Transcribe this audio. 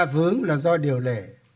vướng là do điều lệ